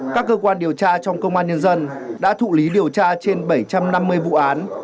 các cơ quan điều tra trong công an nhân dân đã thụ lý điều tra trên bảy trăm năm mươi vụ án